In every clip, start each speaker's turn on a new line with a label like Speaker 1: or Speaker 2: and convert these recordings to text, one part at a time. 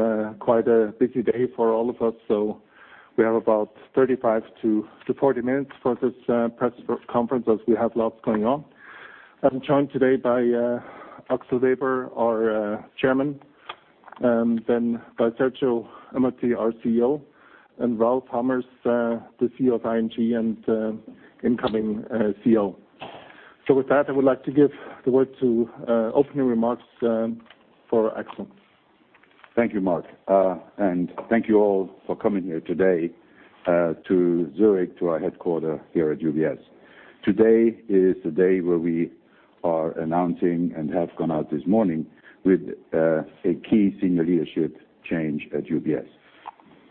Speaker 1: It's quite a busy day for all of us, so we have about 35 to 40 minutes for this press conference, as we have lots going on. I'm joined today by Axel Weber, our Chairman, and then by Sergio Ermotti, our CEO, and Ralph Hamers, the CEO of ING and incoming CEO. With that, I would like to give the word to opening remarks for Axel.
Speaker 2: Thank you, Mark, and thank you all for coming here today to Zurich, to our headquarters here at UBS. Today is the day where we are announcing and have gone out this morning with a key senior leadership change at UBS.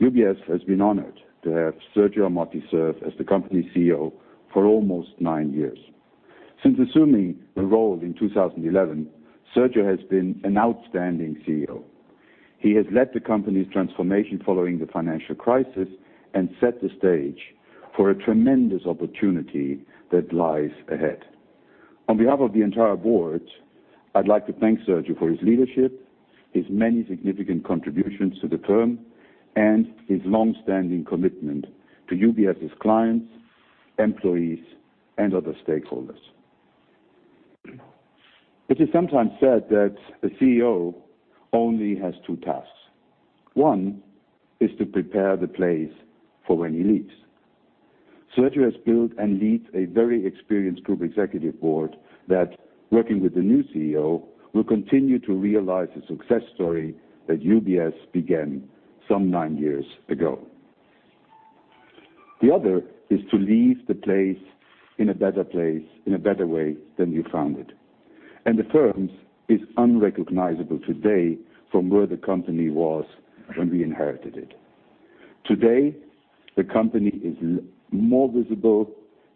Speaker 2: UBS has been honored to have Sergio Ermotti serve as the company CEO for almost nine years. Since assuming the role in 2011, Sergio has been an outstanding CEO. He has led the company's transformation following the financial crisis and set the stage for a tremendous opportunity that lies ahead. On behalf of the entire board, I'd like to thank Sergio for his leadership, his many significant contributions to the firm, and his long-standing commitment to UBS's clients, employees, and other stakeholders. It is sometimes said that a CEO only has two tasks. One is to prepare the place for when he leaves. Sergio has built and leads a very experienced group executive board that, working with the new CEO, will continue to realize the success story that UBS began some nine years ago. The other is to leave the place in a better way than you found it. The firm is unrecognizable today from where the company was when we inherited it. Today, the company is more visible.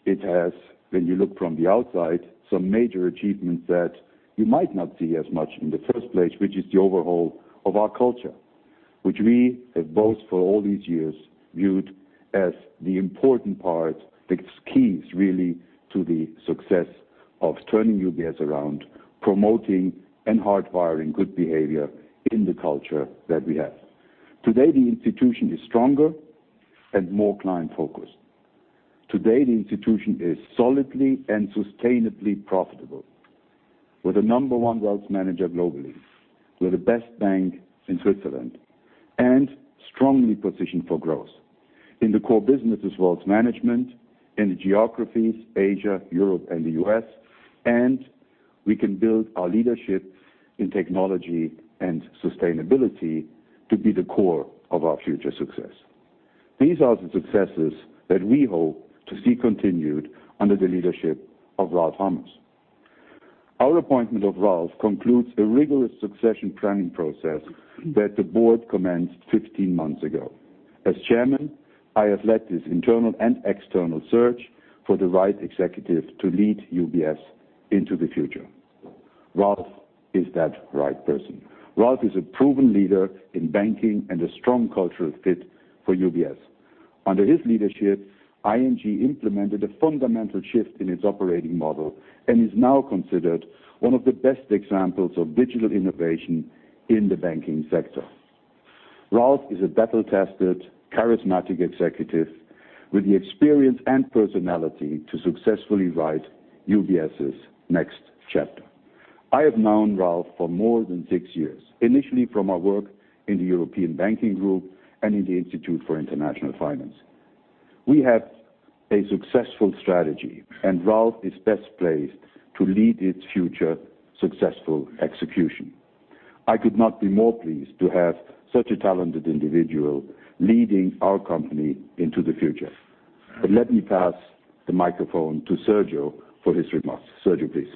Speaker 2: It has, when you look from the outside, some major achievements that you might not see as much in the first place, which is the overhaul of our culture, which we have both, for all these years, viewed as the important part that's key, really, to the success of turning UBS around, promoting and hardwiring good behavior in the culture that we have. Today, the institution is stronger and more client-focused. Today, the institution is solidly and sustainably profitable. We're the number one wealth manager globally. We're the best bank in Switzerland and strongly positioned for growth in the core business as wealth management, in the geographies Asia, Europe, and the U.S., and we can build our leadership in technology and sustainability to be the core of our future success. These are the successes that we hope to see continued under the leadership of Ralph Hamers. Our appointment of Ralph concludes a rigorous succession planning process that the board commenced 15 months ago. As Chairman, I have led this internal and external search for the right executive to lead UBS into the future. Ralph is that right person. Ralph is a proven leader in banking and a strong cultural fit for UBS. Under his leadership, ING implemented a fundamental shift in its operating model and is now considered one of the best examples of digital innovation in the banking sector. Ralph is a battle-tested, charismatic executive with the experience and personality to successfully write UBS's next chapter. I have known Ralph for more than six years, initially from our work in the European Banking Federation and in the Institute of International Finance. We have a successful strategy, Ralph is best placed to lead its future successful execution. I could not be more pleased to have such a talented individual leading our company into the future. Let me pass the microphone to Sergio for his remarks. Sergio, please.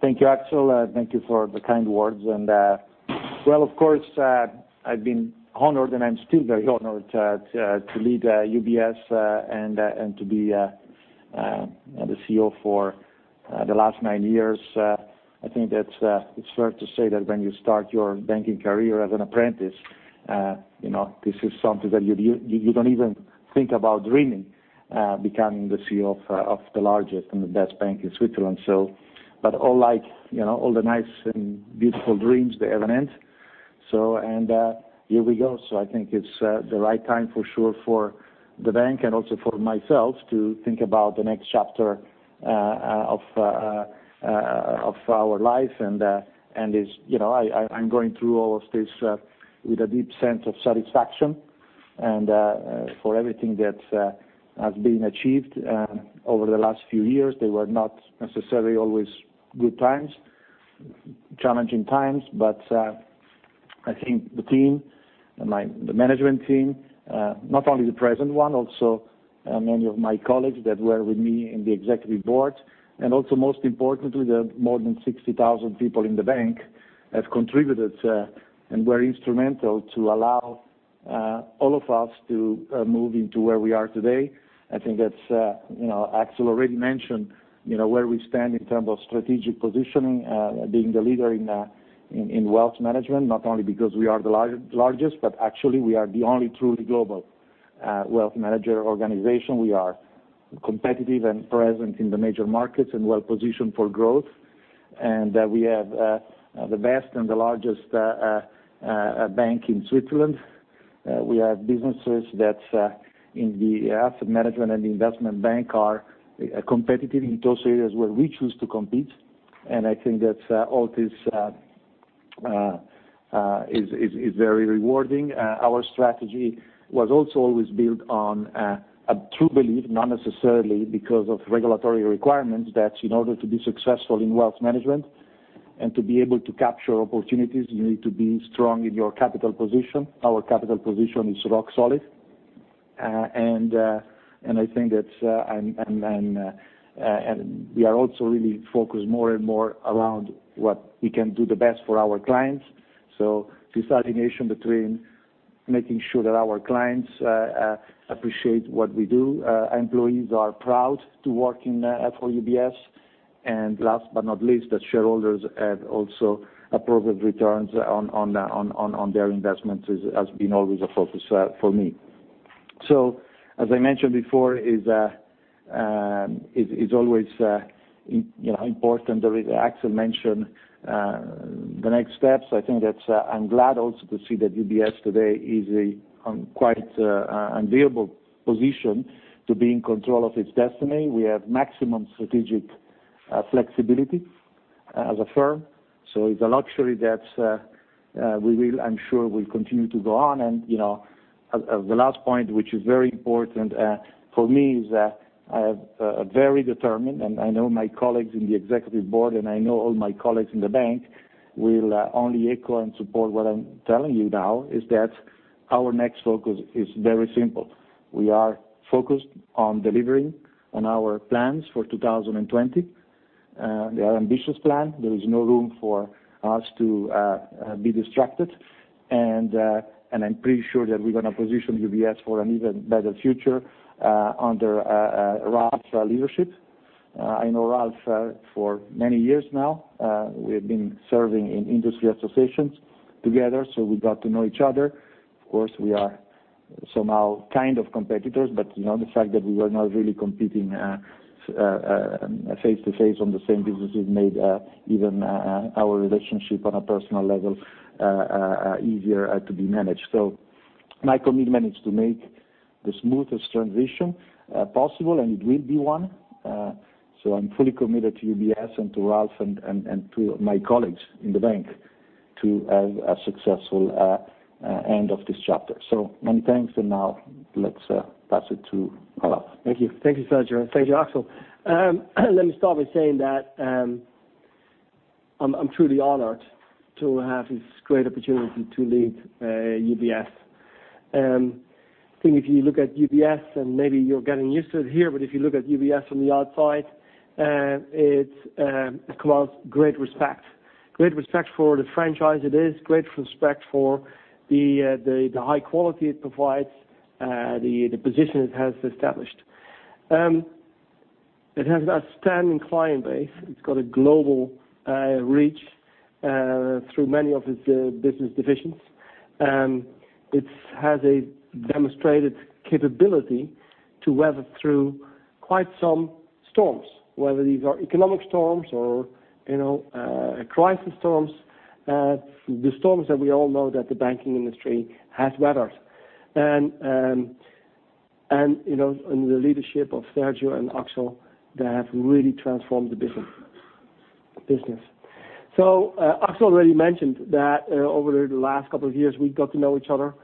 Speaker 3: Thank you, Axel. Thank you for the kind words. Well, of course, I've been honored, and I'm still very honored to lead UBS and to be the CEO for the last nine years. I think that it's fair to say that when you start your banking career as an apprentice, this is something that you don't even think about dreaming, becoming the CEO of the largest and the best bank in Switzerland. All the nice and beautiful dreams, they have an end. Here we go. I think it's the right time for sure for the bank and also for myself to think about the next chapter of our life and I'm going through all of this with a deep sense of satisfaction and for everything that has been achieved over the last few years. They were not necessarily always good times, challenging times, but I think the team and the management team, not only the present one, also many of my colleagues that were with me in the Executive Board, and also most importantly, the more than 60,000 people in the bank have contributed and were instrumental to allow all of us to move into where we are today. Axel already mentioned where we stand in terms of strategic positioning, being the leader in wealth management, not only because we are the largest, but actually we are the only truly global wealth manager organization. We are competitive and present in the major markets and well-positioned for growth. We have the best and the largest bank in Switzerland. We have businesses that's in the Asset Management and Investment Bank are competitive in those areas where we choose to compete, and I think that all this is very rewarding. Our strategy was also always built on a true belief, not necessarily because of regulatory requirements, that in order to be successful in wealth management and to be able to capture opportunities, you need to be strong in your capital position. Our capital position is rock solid. We are also really focused more and more around what we can do the best for our clients. This combination between making sure that our clients appreciate what we do, employees are proud to work for UBS, and last but not least, the shareholders have also appropriate returns on their investments, has been always a focus for me. As I mentioned before, is always important that Axel mentioned the next steps. I'm glad also to see that UBS today is in quite an enviable position to be in control of its destiny. We have maximum strategic flexibility as a firm. It's a luxury that I'm sure will continue to go on. The last point, which is very important for me, is that I have a very determined, and I know my colleagues in the executive board, and I know all my colleagues in the bank will only echo and support what I'm telling you now, is that our next focus is very simple. We are focused on delivering on our plans for 2020. They are ambitious plan. There is no room for us to be distracted. I'm pretty sure that we're going to position UBS for an even better future under Ralph's leadership. I know Ralph for many years now. We've been serving in industry associations together. We got to know each other. Of course, we are somehow kind of competitors. The fact that we were not really competing face-to-face on the same businesses made even our relationship on a personal level easier to be managed. My commitment is to make the smoothest transition possible, and it will be one. I'm fully committed to UBS and to Ralph and to my colleagues in the bank to have a successful end of this chapter. Many thanks. Now let's pass it to Ralph.
Speaker 4: Thank you. Thank you, Sergio. Thank you, Axel. Let me start with saying that I'm truly honored to have this great opportunity to lead UBS. I think if you look at UBS, and maybe you're getting used to it here, but if you look at UBS from the outside, it commands great respect. Great respect for the franchise it is, great respect for the high quality it provides, the position it has established. It has outstanding client base. It's got a global reach through many of its business divisions. It has a demonstrated capability to weather through quite some storms, whether these are economic storms or crisis storms, the storms that we all know that the banking industry has weathered. In the leadership of Sergio and Axel, they have really transformed the business. Axel already mentioned that over the last couple of years, we got to know each other,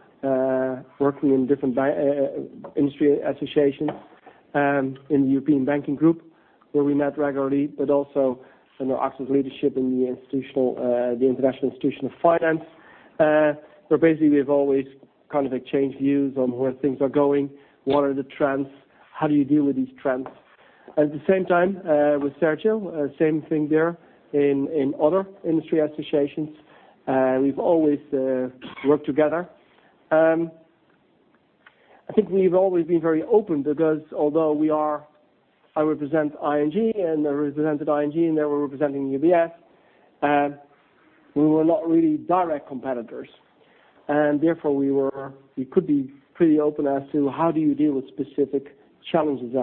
Speaker 4: working in different industry associations, in the European Banking Federation, where we met regularly, but also under Axel's leadership in the Institute of International Finance, where we've always kind of exchanged views on where things are going, what are the trends, how do you deal with these trends. At the same time with Sergio, same thing there in other industry associations. We've always worked together. I think we've always been very open because although I represented ING, and now we're representing UBS, we were not really direct competitors. Therefore we could be pretty open as to how do you deal with specific challenges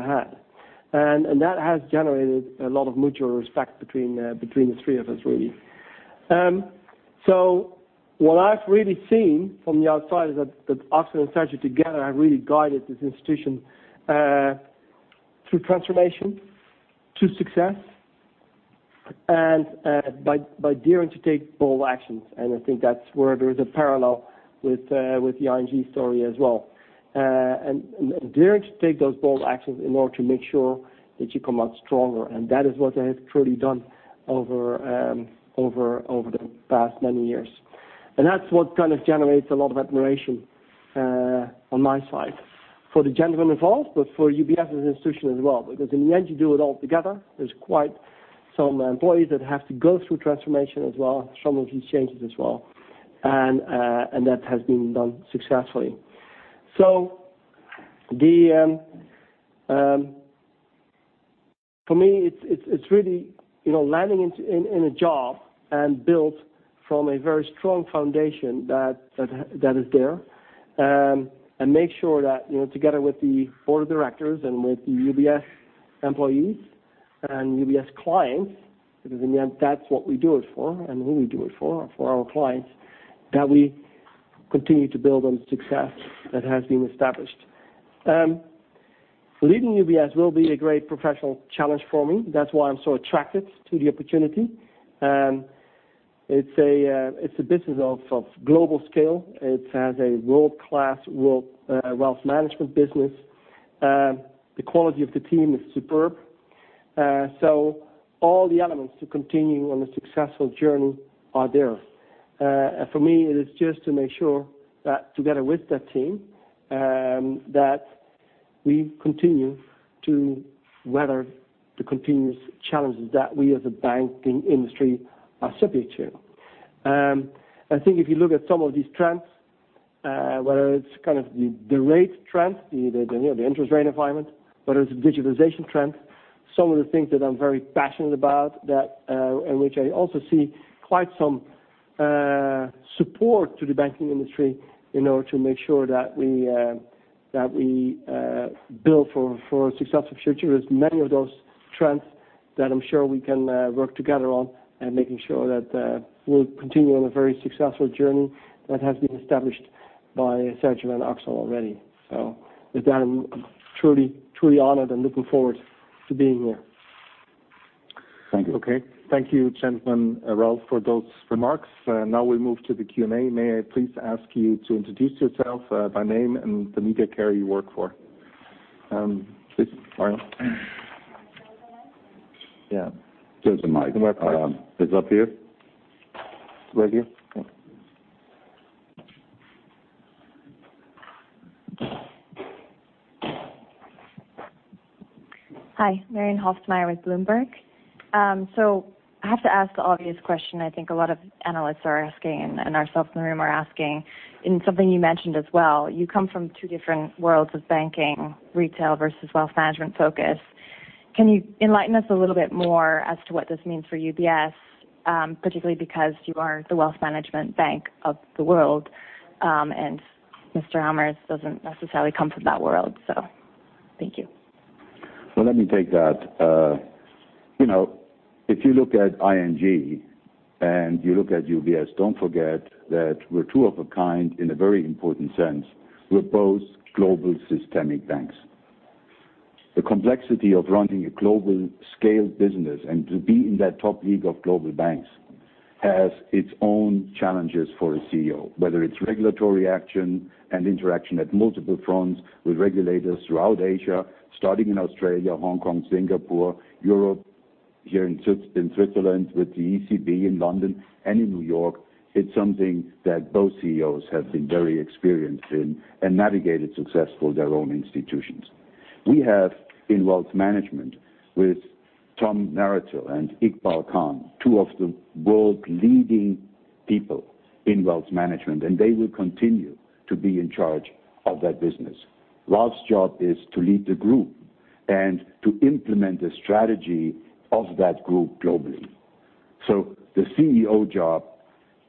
Speaker 4: ahead. That has generated a lot of mutual respect between the three of us, really. What I've really seen from the outside is that Axel and Sergio together have really guided this institution through transformation, to success, and by daring to take bold actions, and I think that's where there is a parallel with the ING story as well. Daring to take those bold actions in order to make sure that you come out stronger, and that is what they have truly done over the past many years. That's what kind of generates a lot of admiration on my side. For the gentlemen involved, but for UBS as an institution as well, because in the end, you do it all together. There's quite some employees that have to go through transformation as well, some of these changes as well. That has been done successfully. For me, it's really landing in a job and build from a very strong foundation that is there. Make sure that together with the board of directors and with the UBS employees and UBS clients, because in the end, that's what we do it for and who we do it for our clients, that we continue to build on the success that has been established. Leading UBS will be a great professional challenge for me. That's why I'm so attracted to the opportunity. It's a business of global scale. It has a world-class wealth management business. The quality of the team is superb. All the elements to continue on a successful journey are there. For me, it is just to make sure that together with that team, that we continue to weather the continuous challenges that we as a banking industry are subject to. I think if you look at some of these trends, whether it's kind of the rate trend, the interest rate environment, whether it's digitalization trend, some of the things that I'm very passionate about, in which I also see quite some support to the banking industry in order to make sure that we build for a successful future. There's many of those trends that I'm sure we can work together on and making sure that we'll continue on a very successful journey that has been established by Sergio and Axel already. With that, I'm truly honored and looking forward to being here. Thank you.
Speaker 1: Okay. Thank you, gentlemen, Ralph, for those remarks. Now we move to the Q&A. May I please ask you to introduce yourself by name and the media care you work for? Please, Marion. Yeah. There's a mic. It's up here. Right here. Yeah.
Speaker 5: Hi. Marion Halftermeyer with Bloomberg. I have to ask the obvious question I think a lot of analysts are asking, and ourselves in the room are asking, and something you mentioned as well. You come from two different worlds of banking, retail versus wealth management focus. Can you enlighten us a little bit more as to what this means for UBS? Particularly because you are the wealth management bank of the world, and Mr. Hamers doesn't necessarily come from that world. Thank you.
Speaker 2: Let me take that. If you look at ING and you look at UBS, don't forget that we're two of a kind in a very important sense. We're both global systemic banks. The complexity of running a global scale business and to be in that top league of global banks has its own challenges for a CEO, whether it's regulatory action and interaction at multiple fronts with regulators throughout Asia, starting in Australia, Hong Kong, Singapore, Europe, here in Switzerland, with the ECB in London and in New York. It's something that both CEOs have been very experienced in and navigated successful their own institutions. We have in wealth management with Tom Naratil and Iqbal Khan, two of the world leading people in wealth management, and they will continue to be in charge of that business. Ralph's job is to lead the group and to implement the strategy of that group globally. The CEO job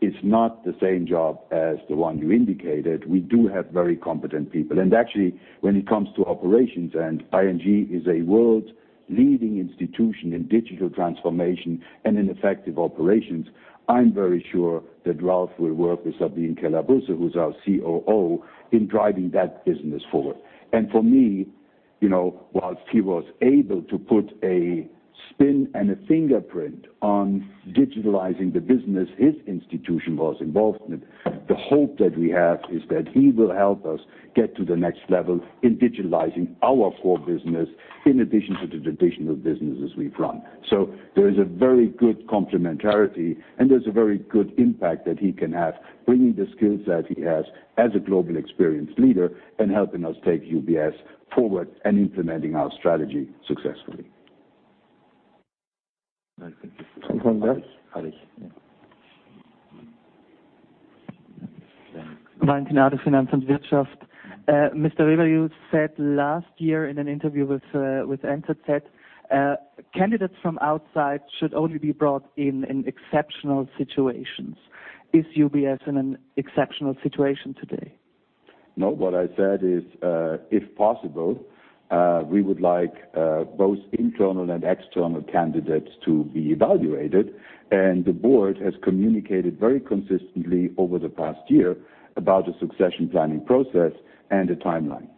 Speaker 2: is not the same job as the one you indicated. We do have very competent people. Actually, when it comes to operations, ING is a world leading institution in digital transformation and in effective operations. I'm very sure that Ralph will work with Sabine Keller-Busse, who's our COO, in driving that business forward. For me, whilst he was able to put a spin and a fingerprint on digitalizing the business his institution was involved in, the hope that we have is that he will help us get to the next level in digitalizing our core business, in addition to the traditional businesses we've run. There is a very good complementarity, and there's a very good impact that he can have, bringing the skills that he has as a global experienced leader and helping us take UBS forward and implementing our strategy successfully.
Speaker 4: Thank you.
Speaker 6: Mr. Weber said last year in an interview with said, "Candidates from outside should only be brought in exceptional situations." Is UBS in an exceptional situation today?
Speaker 2: No. What I said is, if possible, we would like both internal and external candidates to be evaluated, and the board has communicated very consistently over the past year about a succession planning process and a timeline.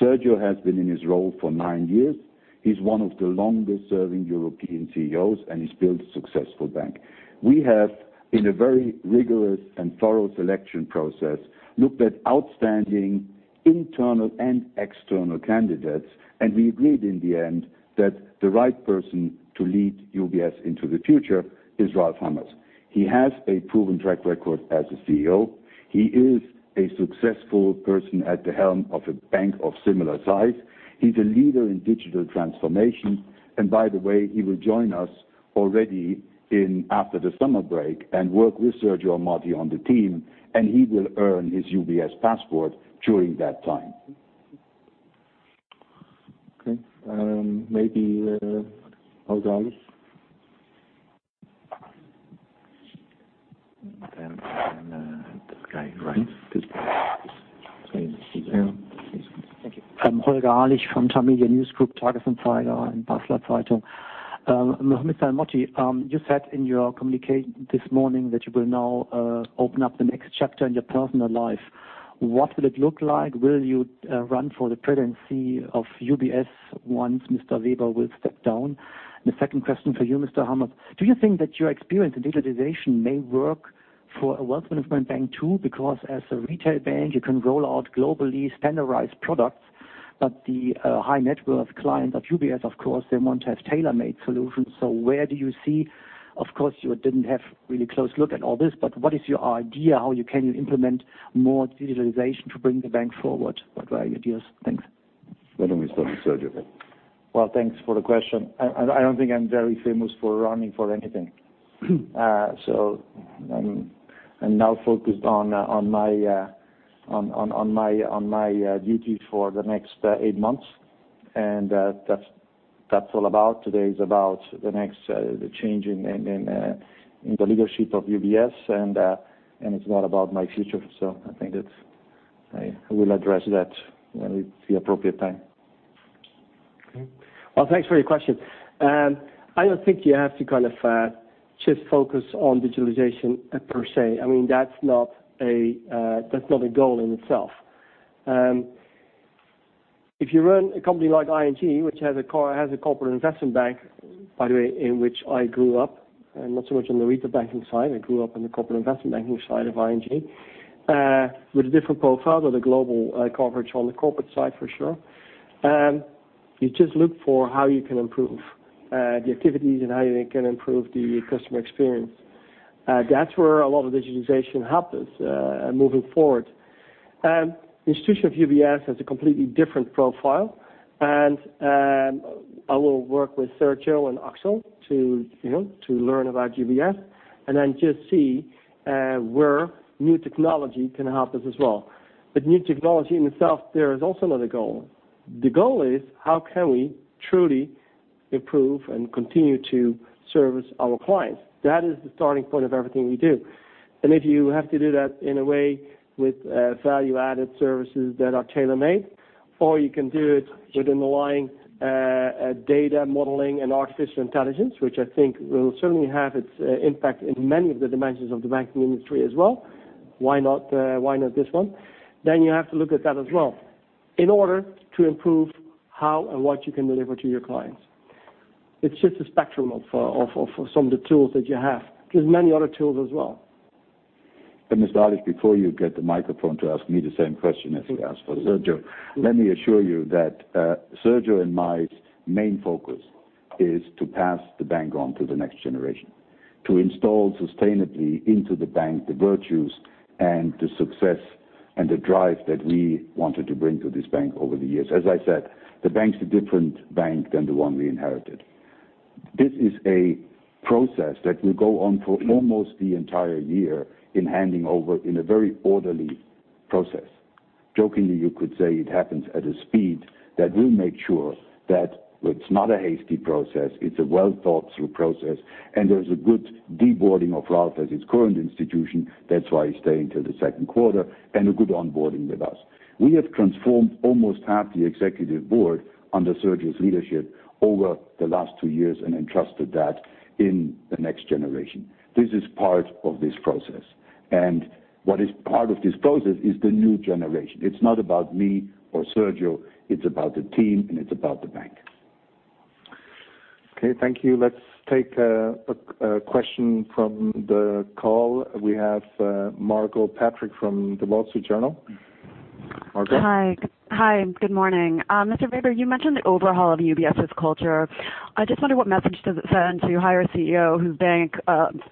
Speaker 2: Sergio has been in his role for nine years. He's one of the longest-serving European CEOs, and he's built a successful bank. We have, in a very rigorous and thorough selection process, looked at outstanding internal and external candidates, and we agreed in the end that the right person to lead UBS into the future is Ralph Hamers. He has a proven track record as a CEO. He is a successful person at the helm of a bank of similar size. He's a leader in digital transformation. By the way, he will join us already after the summer break and work with Sergio Ermotti on the team, and he will earn his UBS passport during that time.
Speaker 4: Okay. Maybe.
Speaker 2: That's great. Right. Good. Thank you.
Speaker 7: Holger Alich from Tamedia News Group, Tages-Anzeiger and Basler Zeitung. Mr. Ermotti, you said in your communiqué this morning that you will now open up the next chapter in your personal life. What will it look like? Will you run for the presidency of UBS once Mr. Weber steps down? The second question for you, Mr. Hamers: Do you think that your experience in digitization may work for a wealth management bank too? As a retail bank, you can roll out globally standardized products, but the high-net-worth clients of UBS, of course, they want to have tailor-made solutions. Where do you see, of course, you didn't have a really close look at all this, but what is your idea how you can implement more digitization to bring the bank forward? What are your ideas? Thanks.
Speaker 2: Why don't we start with Sergio then?
Speaker 3: Well, thanks for the question. I don't think I'm very famous for running for anything. I'm now focused on my duties for the next eight months, and that's all about. Today is about the change in the leadership of UBS, and it's not about my future. I think I will address that when it's the appropriate time.
Speaker 7: Okay.
Speaker 4: Thanks for your question. I don't think you have to just focus on digitalization per se. That's not a goal in itself. If you run a company like ING, which has a corporate investment bank, by the way, in which I grew up, not so much on the retail banking side. I grew up on the corporate investment banking side of ING. With a different profile, with a global coverage on the corporate side for sure. You just look for how you can improve the activities and how you can improve the customer experience. That's where a lot of digitization happens moving forward. The institution of UBS has a completely different profile, and I will work with Sergio and Axel to learn about UBS, and then just see where new technology can help us as well. New technology in itself, there is also not a goal. The goal is how can we truly improve and continue to service our clients? That is the starting point of everything we do. If you have to do that in a way with value-added services that are tailor-made, or you can do it within the line, data modeling and artificial intelligence, which I think will certainly have its impact in many of the dimensions of the banking industry as well. Why not this one? You have to look at that as well in order to improve how and what you can deliver to your clients. It's just a spectrum of some of the tools that you have. There's many other tools as well.
Speaker 2: Ms. Alich, before you get the microphone to ask me the same question as you asked for Sergio, let me assure you that Sergio and my main focus is to pass the bank on to the next generation. To install sustainably into the bank the virtues and the success and the drive that we wanted to bring to this bank over the years. As I said, the bank's a different bank than the one we inherited. This is a process that will go on for almost the entire year in handing over in a very orderly process. Jokingly, you could say it happens at a speed that will make sure that it's not a hasty process, it's a well-thought-through process, and there's a good deboarding of Ralph at his current institution, that's why he's staying till the second quarter, and a good onboarding with us. We have transformed almost half the executive board under Sergio's leadership over the last two years and entrusted that in the next generation. This is part of this process. What is part of this process is the new generation. It's not about me or Sergio, it's about the team, and it's about the bank.
Speaker 1: Okay, thank you. Let's take a question from the call. We have Margot Patrick from The Wall Street Journal. Margot.
Speaker 8: Hi. Good morning. Mr. Weber, you mentioned the overhaul of UBS's culture. I just wonder what message does it send to hire a CEO whose bank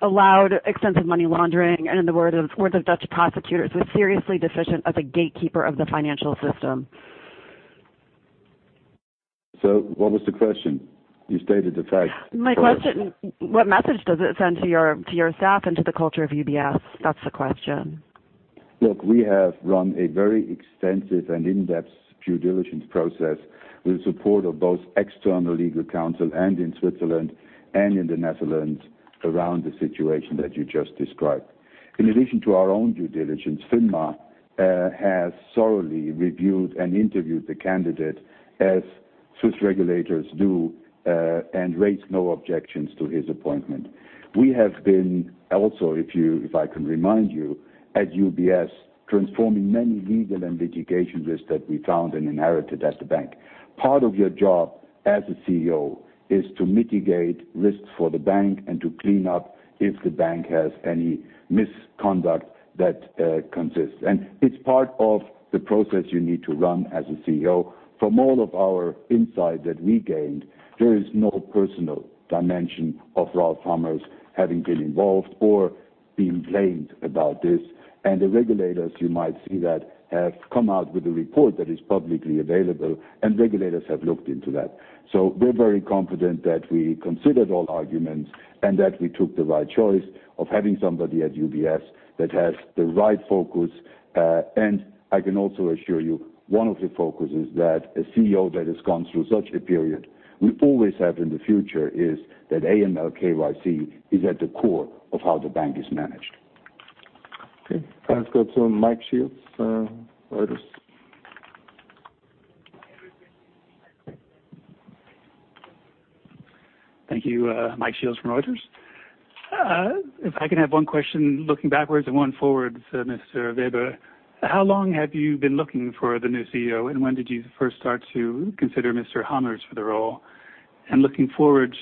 Speaker 8: allowed extensive money laundering, and in the words of Dutch prosecutors, was seriously deficient as a gatekeeper of the financial system?
Speaker 2: What was the question? You stated the fact.
Speaker 8: My question, what message does it send to your staff and to the culture of UBS? That's the question.
Speaker 2: Look, we have run a very extensive and in-depth due diligence process with support of both external legal counsel and in Switzerland and in the Netherlands around the situation that you just described. In addition to our own due diligence, FINMA has thoroughly reviewed and interviewed the candidate, as Swiss regulators do, and raised no objections to his appointment. We have been also, if I can remind you, at UBS, transforming many legal and litigation risks that we found and inherited as the bank. Part of your job as a CEO is to mitigate risks for the bank and to clean up if the bank has any misconduct that consists. It's part of the process you need to run as a CEO. From all of our insight that we gained, there is no personal dimension of Ralph Hamers having been involved or being blamed about this. The regulators, you might see that, have come out with a report that is publicly available, and regulators have looked into that. We're very confident that we considered all arguments and that we took the right choice of having somebody at UBS that has the right focus. I can also assure you, one of the focuses that a CEO that has gone through such a period, we always have in the future is that AML/KYC is at the core of how the bank is managed.
Speaker 1: Okay. Let's go to Mike Shields, Reuters.
Speaker 9: Thank you. Mike Shields from Reuters. If I can have one question looking backwards and one forward, Mr. Weber. How long have you been looking for the new CEO, when did you first start to consider Mr. Hamers for the role? Looking forward,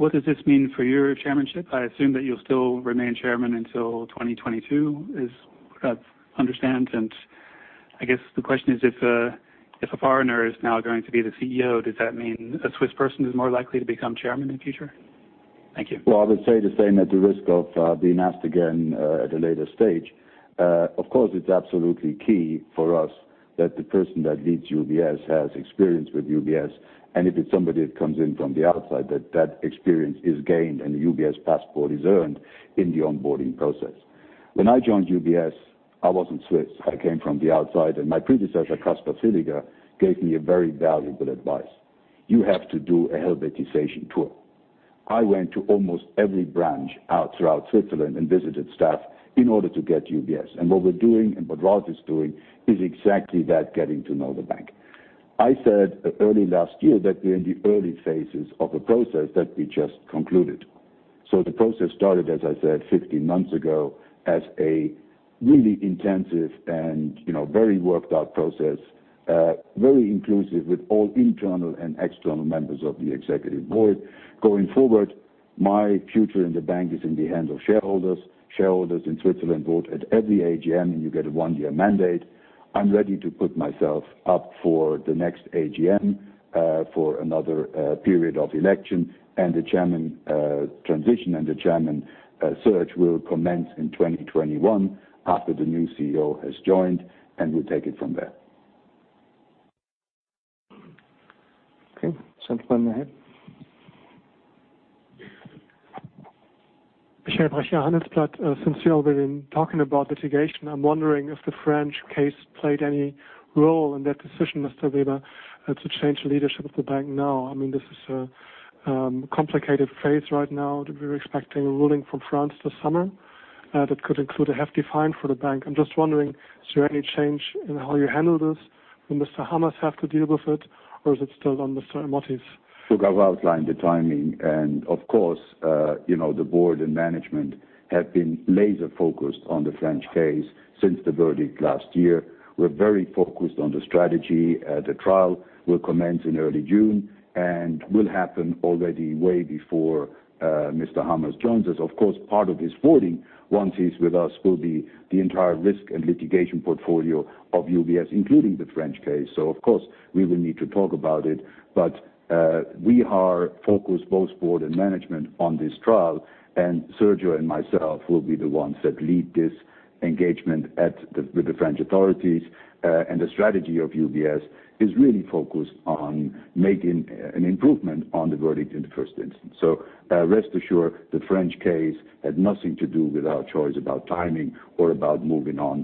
Speaker 9: what does this mean for your chairmanship? I assume that you'll still remain chairman until 2022. I guess the question is, if a foreigner is now going to be the CEO, does that mean a Swiss person is more likely to become chairman in the future? Thank you.
Speaker 2: Well, I would say the same at the risk of being asked again at a later stage. Of course, it is absolutely key for us that the person that leads UBS has experience with UBS, and if it is somebody that comes in from the outside, that experience is gained, and the UBS passport is earned in the onboarding process. When I joined UBS, I wasn't Swiss. I came from the outside, and my predecessor, Kaspar Villiger, gave me a very valuable advice. You have to do a helvetization tour. I went to almost every branch out throughout Switzerland and visited staff in order to get UBS. What we are doing and what Ralph is doing is exactly that, getting to know the bank. I said early last year that we are in the early phases of a process that we just concluded. The process started, as I said, 15 months ago as a really intensive and very worked out process, very inclusive with all internal and external members of the Executive Board. Going forward, my future in the bank is in the hands of shareholders. Shareholders in Switzerland vote at every AGM, and you get a one-year mandate. I'm ready to put myself up for the next AGM, for another period of election, and the Chairman transition and the Chairman search will commence in 2021 after the new CEO has joined, and we'll take it from there.
Speaker 1: Okay. Gentleman ahead.
Speaker 10: Michael Brächer, Handelsblatt. Since you have been talking about litigation, I'm wondering if the French case played any role in that decision, Mr. Weber, to change the leadership of the bank now. This is a complicated phase right now that we're expecting a ruling from France this summer, that could include a hefty fine for the bank. I'm just wondering, is there any change in how you handle this? Will Mr. Hamers have to deal with it, or is it still on Mr. Ermotti?
Speaker 2: Look, I've outlined the timing, of course, the board and management have been laser-focused on the French case since the verdict last year. We're very focused on the strategy. The trial will commence in early June and will happen already way before Mr. Hamers joins us. Of course, part of his boarding once he's with us will be the entire risk and litigation portfolio of UBS, including the French case. Of course, we will need to talk about it, but we are focused, both board and management, on this trial, and Sergio and myself will be the ones that lead this engagement with the French authorities. The strategy of UBS is really focused on making an improvement on the verdict in the first instance. Rest assured, the French case had nothing to do with our choice about timing or about moving on.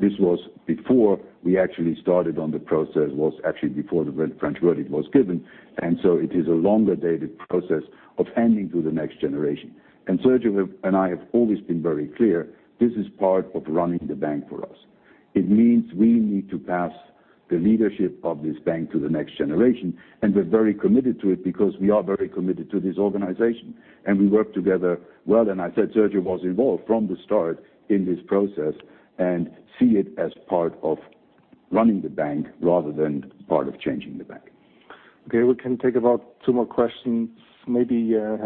Speaker 2: This was before we actually started on the process, was actually before the French verdict was given. It is a longer-dated process of handing to the next generation. Sergio and I have always been very clear, this is part of running the bank for us. It means we need to pass the leadership of this bank to the next generation, and we're very committed to it because we are very committed to this organization, and we work together well. I said Sergio was involved from the start in this process and see it as part of running the bank rather than part of changing the bank.
Speaker 1: Okay, we can take about two more questions. Maybe [Gerhardt].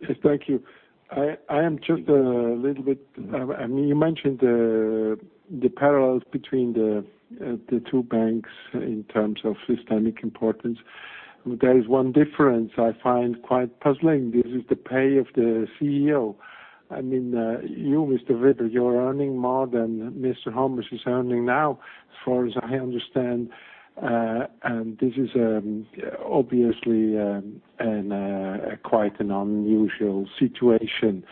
Speaker 11: Yes, thank you. You mentioned the parallels between the two banks in terms of systemic importance. There is one difference I find quite puzzling. This is the pay of the CEO. You, Mr. Weber, you're earning more than Mr. Hamers is earning now, as far as I understand. This is obviously quite an unusual situation.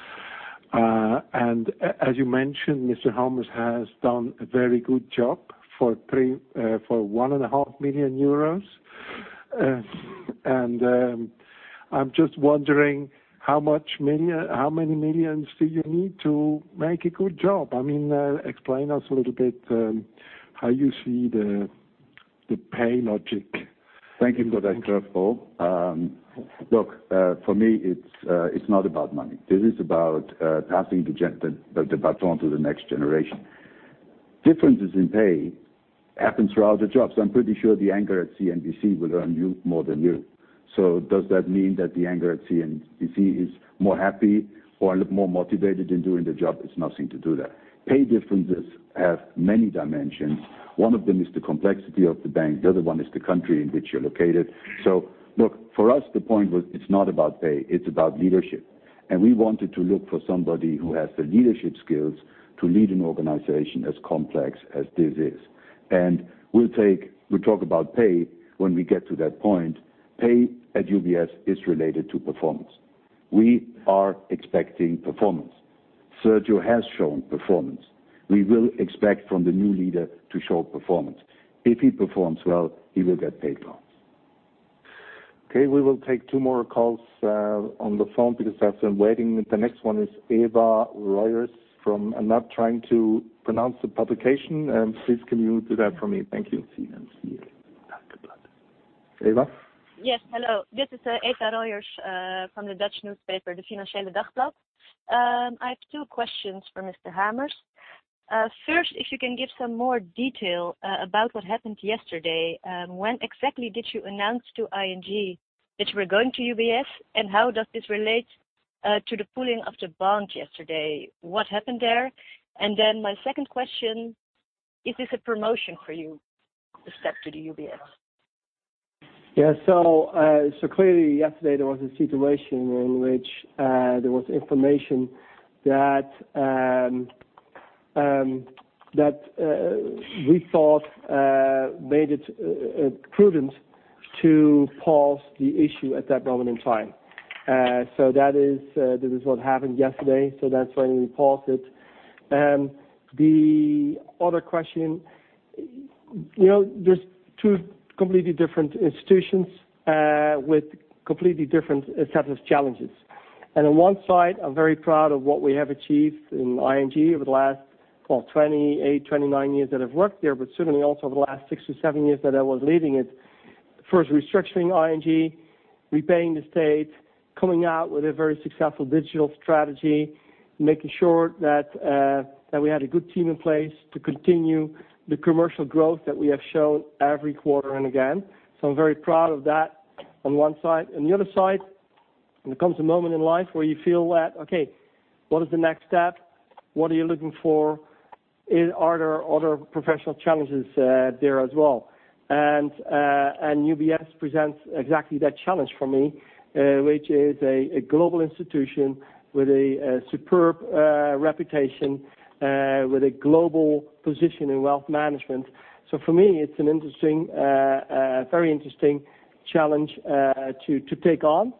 Speaker 11: As you mentioned, Mr. Hamers has done a very good job for one and a half million EUR. I'm just wondering how many millions do you need to make a good job? Explain us a little bit how you see the pay logic.
Speaker 2: Thank you for that, Gerhardt. Look, for me, it's not about money. This is about passing the baton to the next generation. Differences in pay happen throughout the jobs. I'm pretty sure the anchor at CNBC will earn more than you. Does that mean that the anchor at CNBC is more happy or more motivated in doing the job? It's nothing to do with that. Pay differences have many dimensions. One of them is the complexity of the bank. The other one is the country in which you're located. Look, for us, the point was it's not about pay, it's about leadership. We wanted to look for somebody who has the leadership skills to lead an organization as complex as this is. We'll talk about pay when we get to that point. Pay at UBS is related to performance. We are expecting performance. Sergio has shown performance. We will expect from the new leader to show performance. If he performs well, he will get paid well.
Speaker 1: Okay. We will take two more calls on the phone because I've been waiting. The next one is Eva Roijers. I'm not trying to pronounce the publication. Please can you do that for me? Thank you. Eva?
Speaker 12: Yes. Hello. This is Eva Roijers from the Dutch newspaper, Het Financieele Dagblad. I have two questions for Mr. Hamers. First, if you can give some more detail about what happened yesterday. When exactly did you announce to ING that you were going to UBS? How does this relate to the pooling of the bond yesterday? What happened there? My second question, is this a promotion for you, the step to the UBS?
Speaker 4: Yes. Clearly yesterday there was a situation in which there was information that we thought made it prudent to pause the issue at that moment in time. That is what happened yesterday. That's why we paused it. The other question, there's two completely different institutions with completely different sets of challenges. On one side, I'm very proud of what we have achieved in ING over the last, well, 28, 29 years that I've worked there, but certainly also over the last six or seven years that I was leading it. First restructuring ING, repaying the state, coming out with a very successful digital strategy, making sure that we had a good team in place to continue the commercial growth that we have shown every quarter and again. I'm very proud of that on one side. On the other side, there comes a moment in life where you feel that, okay, what is the next step? What are you looking for? Are there other professional challenges there as well? UBS presents exactly that challenge for me, which is a global institution with a superb reputation, with a global position in wealth management. For me, it's a very interesting challenge to take on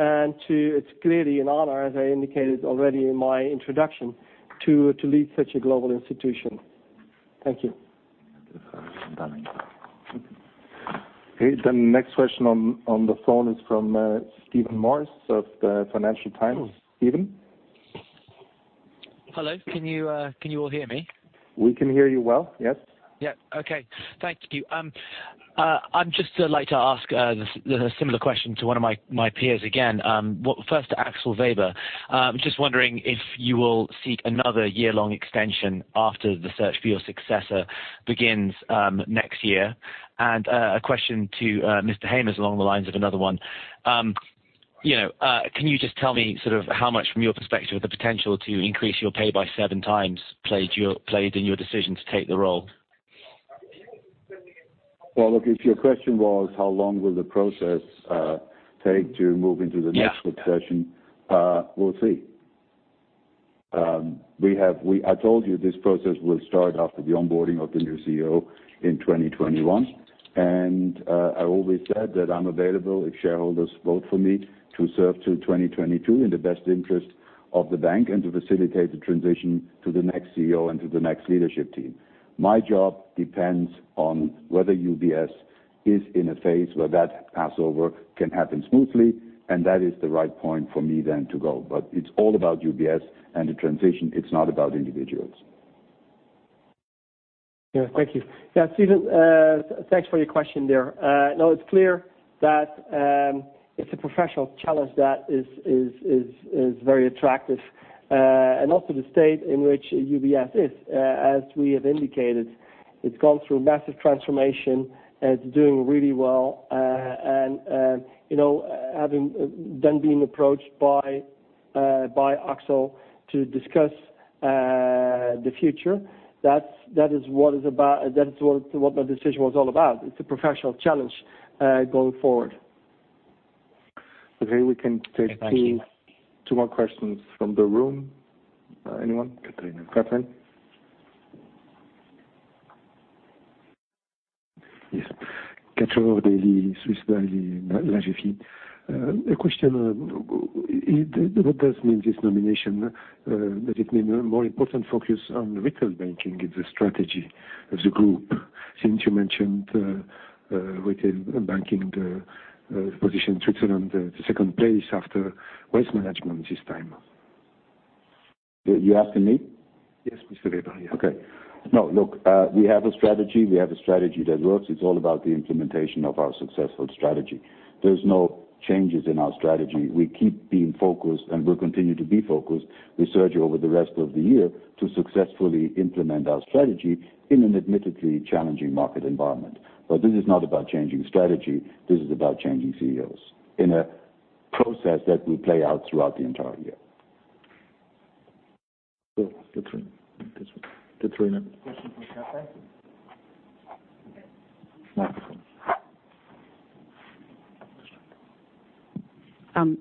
Speaker 4: and it's clearly an honor, as I indicated already in my introduction, to lead such a global institution. Thank you.
Speaker 1: Okay. The next question on the phone is from Stephen Morris of the Financial Times. Stephen?
Speaker 13: Hello. Can you all hear me?
Speaker 1: We can hear you well. Yes.
Speaker 13: Yeah. Okay. Thank you. I'd just like to ask a similar question to one of my peers again. Well, first to Axel Weber. Just wondering if you will seek another year-long extension after the search for your successor begins next year. A question to Mr. Hamers along the lines of another one. Can you just tell me how much, from your perspective, the potential to increase your pay by seven times played in your decision to take the role?
Speaker 2: Well, look, if your question was how long will the process take to move into the next succession.
Speaker 13: Yeah
Speaker 2: We'll see. I told you this process will start after the onboarding of the new CEO in 2021. I always said that I'm available if shareholders vote for me to serve till 2022 in the best interest of the bank and to facilitate the transition to the next CEO and to the next leadership team. My job depends on whether UBS is in a phase where that passover can happen smoothly. That is the right point for me then to go. It's all about UBS and the transition. It's not about individuals.
Speaker 4: Yeah. Thank you. Yeah. Stephen, thanks for your question there. No, it's clear that it's a professional challenge that is very attractive. Also the state in which UBS is, as we have indicated, it's gone through massive transformation and it's doing really well. Being approached by Axel to discuss the future, that is what my decision was all about. It's a professional challenge going forward.
Speaker 1: Okay. We can.
Speaker 13: Thank you.
Speaker 1: Two more questions from the room. Anyone? Catherine.
Speaker 14: Yes. Catherine of daily Swiss daily, La Vie. A question, what does it mean, this nomination? Does it mean a more important focus on retail banking is the strategy of the group, since you mentioned retail banking, the position in Switzerland, the second place after wealth management this time?
Speaker 2: You asking me?
Speaker 14: Yes, Mr. Weber. Yeah.
Speaker 2: Okay. No. Look, we have a strategy. We have a strategy that works. It's all about the implementation of our successful strategy. There's no changes in our strategy. We keep being focused, and we'll continue to be focused with Sergio over the rest of the year to successfully implement our strategy in an admittedly challenging market environment. This is not about changing strategy. This is about changing CEOs in a process that will play out throughout the entire year. Sure. Catherine. This one. Catherine.
Speaker 1: Question for Sergio. Microphone.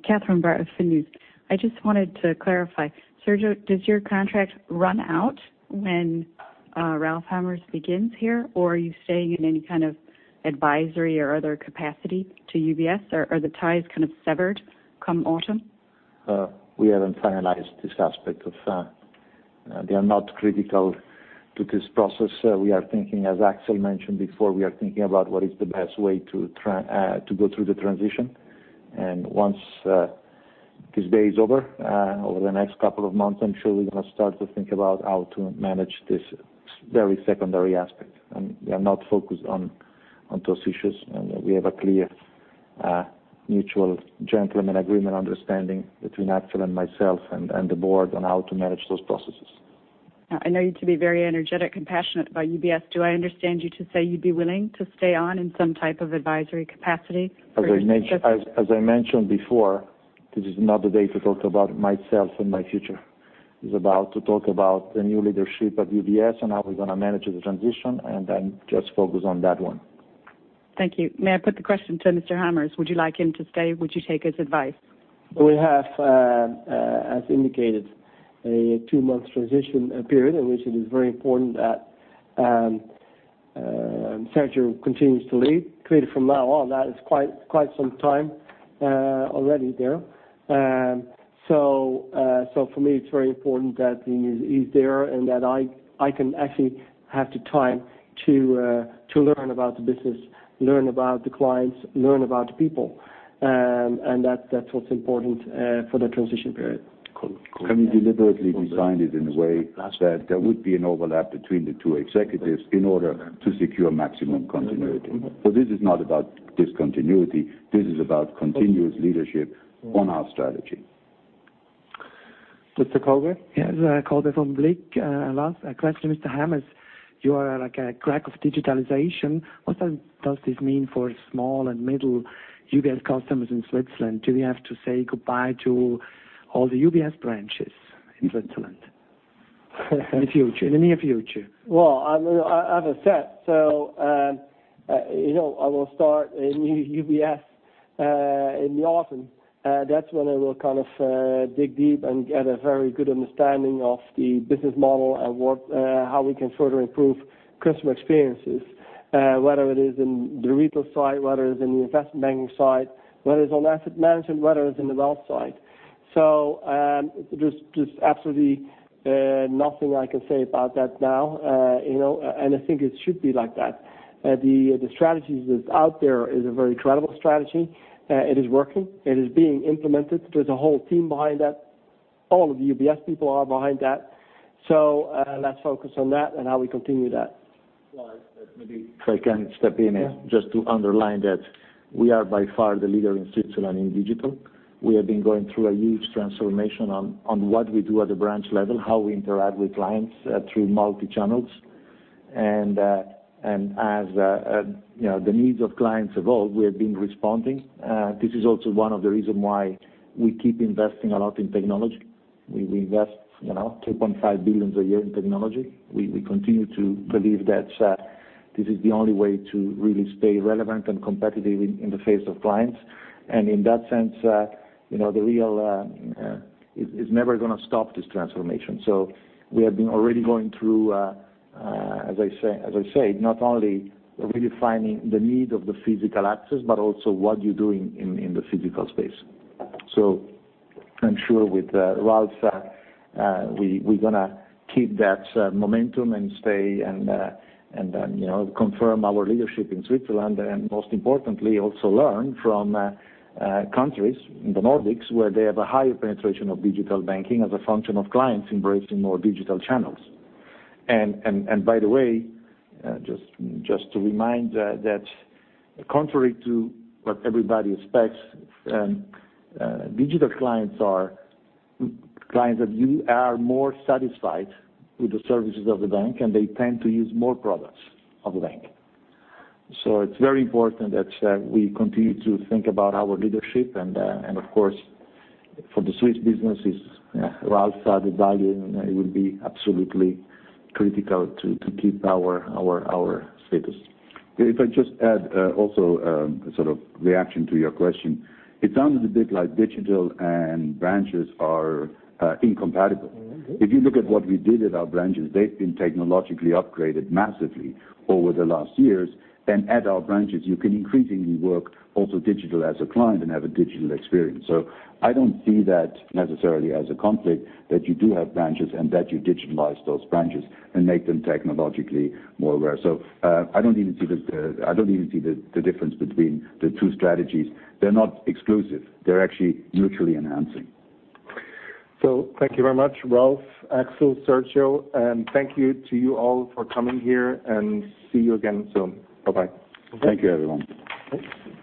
Speaker 15: Catherine Barr of finews. I just wanted to clarify. Sergio, does your contract run out when Ralph Hamers begins here, or are you staying in any kind of advisory or other capacity to UBS? Are the ties kind of severed come autumn?
Speaker 3: We haven't finalized this aspect of. They are not critical to this process. We are thinking, as Axel mentioned before, we are thinking about what is the best way to go through the transition. Once this day is over the next couple of months, I'm sure we're going to start to think about how to manage this very secondary aspect. We are not focused on those issues. We have a clear, mutual gentleman agreement, understanding between Axel and myself, and the board on how to manage those processes.
Speaker 15: Now, I know you to be very energetic and passionate about UBS. Do I understand you to say you'd be willing to stay on in some type of advisory capacity for UBS?
Speaker 3: As I mentioned before, this is not the day to talk about myself and my future. It's about to talk about the new leadership of UBS and how we're going to manage the transition. I'm just focused on that one.
Speaker 15: Thank you. May I put the question to Mr. Hamers? Would you like him to stay? Would you take his advice?
Speaker 4: We have, as indicated, a two-month transition period in which it is very important that Sergio continues to lead. Clearly, from now on, that is quite some time already there. For me, it's very important that he's there and that I can actually have the time to learn about the business, learn about the clients, learn about the people. That's what's important for the transition period.
Speaker 2: We deliberately designed it in a way that there would be an overlap between the two executives in order to secure maximum continuity. This is not about discontinuity. This is about continuous leadership on our strategy.
Speaker 1: Mr. Kober?
Speaker 16: Yes, Kober from Blick. Last question, Mr. Hamers. You are like a crack of digitalization. What does this mean for small and middle UBS customers in Switzerland? Do we have to say goodbye to all the UBS branches in Switzerland in the near future?
Speaker 4: Well, as I said, I will start in UBS in the autumn. That's when I will kind of dig deep and get a very good understanding of the business model and how we can further improve customer experiences, whether it is in the retail side, whether it is in the investment banking side, whether it's on Asset Management, whether it's in the wealth side. There's absolutely nothing I can say about that now. I think it should be like that. The strategies that's out there is a very credible strategy. It is working. It is being implemented. There's a whole team behind that. All of the UBS people are behind that. Let's focus on that and how we continue that.
Speaker 3: Well, maybe if I can step in just to underline that we are by far the leader in Switzerland in digital. We have been going through a huge transformation on what we do at the branch level, how we interact with clients through multi-channels. As the needs of clients evolve, we have been responding. This is also one of the reasons why we keep investing a lot in technology. We invest 2.5 billion a year in technology. We continue to believe that this is the only way to really stay relevant and competitive in the face of clients. In that sense, it's never going to stop this transformation. We have been already going through, as I said, not only redefining the need of the physical access, but also what you do in the physical space. I'm sure with Ralph, we're going to keep that momentum and stay and then confirm our leadership in Switzerland, and most importantly, also learn from countries in the Nordics where they have a higher penetration of digital banking as a function of clients embracing more digital channels. By the way, just to remind that contrary to what everybody expects, digital clients are clients that are more satisfied with the services of the bank, and they tend to use more products of the bank. It's very important that we continue to think about our leadership and, of course, for the Swiss businesses, Ralph's added value it would be absolutely critical to keep our status.
Speaker 2: I just add also sort of reaction to your question. It sounds a bit like digital and branches are incompatible. You look at what we did at our branches, they've been technologically upgraded massively over the last years. At our branches, you can increasingly work also digital as a client and have a digital experience. I don't see that necessarily as a conflict that you do have branches and that you digitalize those branches and make them technologically more rare. I don't even see the difference between the two strategies. They're not exclusive. They're actually mutually enhancing.
Speaker 1: Thank you very much, Ralph, Axel, Sergio, and thank you to you all for coming here and see you again soon. Bye-bye.
Speaker 2: Thank you, everyone.
Speaker 4: Thanks.
Speaker 3: Thanks.